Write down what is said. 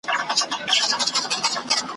ځکه چي موږ امام بدلوو مګر ایمان نه بدلوو ,